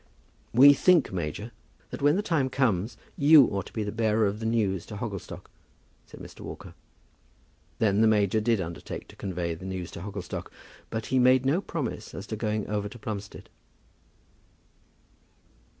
"We think, major, that when the time comes you ought to be the bearer of the news to Hogglestock," said Mr. Walker. Then the major did undertake to convey the news to Hogglestock, but he made no promise as to going over to Plumstead.